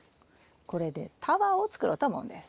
これでタワーを作ろうと思うんです。